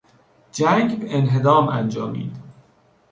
جنگ به انهدام انجامید.